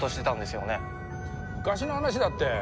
それ昔の話だって。